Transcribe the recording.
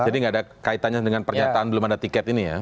jadi nggak ada kaitannya dengan pernyataan belum ada tiket ini ya